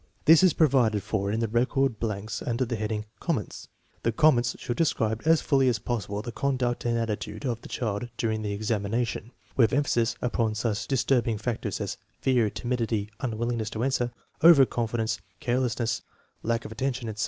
This is provided for in the record blanks under the heading " comments." The comments should describe as fully as possible the conduct and attitude of the child during the examination, with emphasis upon such disturbing factors as fear, timidity, unwillingness to answer, overconfidence, carelessness, lack of attention, etc.